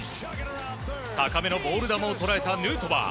高めのボール球を捉えたヌートバー。